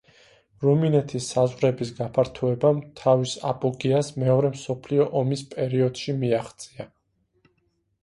რუმინეთის საზღვრების გაფართოებამ თავის აპოგეას მეორე მსოფლიო ომის პერიოდში მიაღწია.